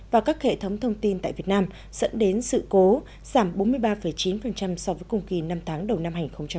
và các hệ thống thông tin tại việt nam dẫn đến sự cố giảm bốn mươi ba chín so với cùng kỳ năm tháng đầu năm hai nghìn một mươi chín